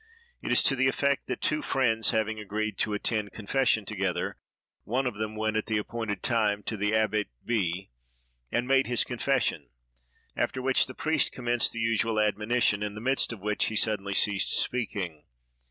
It is to the effect that two friends having agreed to attend confession together, one of them went at the appointed time to the Abbate B——, and made his confession; after which the priest commenced the usual admonition, in the midst of which he suddenly ceased speaking.